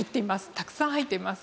たくさん入っています。